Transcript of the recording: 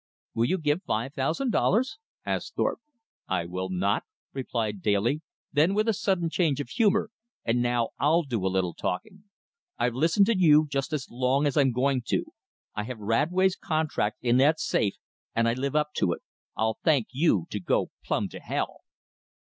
"Will you give five thousand dollars?" asked Thorpe. "I will not," replied Daly, then with a sudden change of humor, "and now I'll do a little talking. I've listened to you just as long as I'm going to. I have Radway's contract in that safe and I live up to it. I'll thank you to go plumb to hell!"